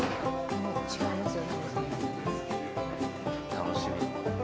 楽しみ。